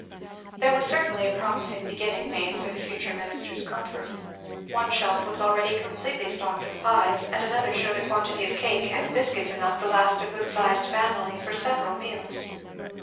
There was certainly a promising beginning made for the future minister's comfort. One shelf was already completely stocked with pies, and another shewed a quantity of cake, and biscuits enough to last a good sized family for several meals.